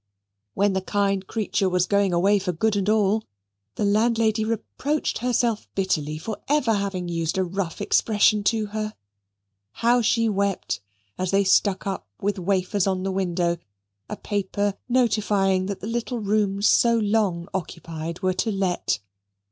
When the kind creature was going away for good and all, the landlady reproached herself bitterly for ever having used a rough expression to her how she wept, as they stuck up with wafers on the window, a paper notifying that the little rooms so long occupied were to let!